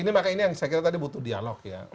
ini maka ini yang saya kira tadi butuh dialog ya